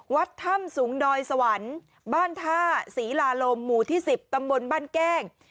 วัดถ้ำสูงดอยสวรรค์บ้านท่าศรีลาลมหมู่ที่๑๐ตำบลบ้านแก้ง